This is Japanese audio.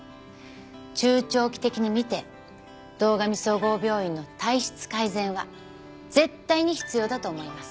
中長期的に見て堂上総合病院の体質改善は絶対に必要だと思います。